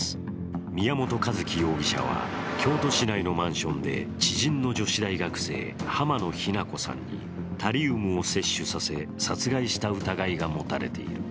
宮本一希容疑者は京都市内のマンションで知人の女子大学生濱野日菜子さんにタリウムを摂取させ殺害した疑いが持たれている。